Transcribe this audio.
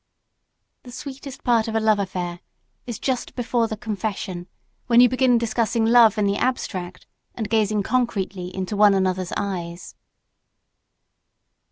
The sweetest part of a love affair is just before the confession when you begin discussing love in the abstract and gazing concretely into one another's eyes.